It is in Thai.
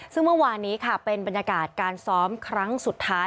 ซึ่งเมื่อวานนี้ค่ะเป็นบรรยากาศการซ้อมครั้งสุดท้าย